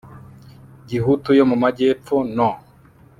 gihutu yo mu magepfo no